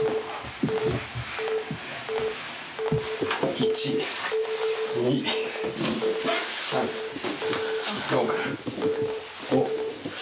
１２３４５。